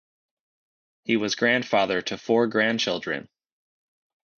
He was grandfather to four grandchildren.